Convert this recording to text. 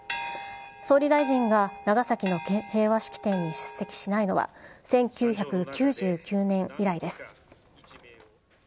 総理大臣が長崎の平和式典に出席しないのは、１９９９年以来です。